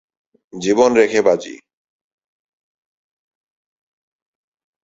জীবন রেখে বাজী।